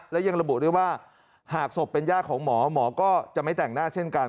และยังระบุด้วยว่าหากศพเป็นย่าของหมอหมอก็จะไม่แต่งหน้าเช่นกัน